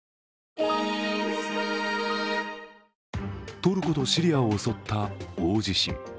トルコとシリアを襲った大地震。